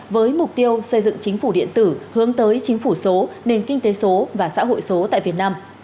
với mục tiêu xây dựng chính phủ điện tử hướng tới chính phủ số nền kinh tế số và xã hội số tại việt nam